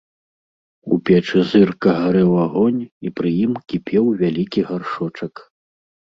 У печы зырка гарэў агонь і пры ім кіпеў вялікі гаршчок.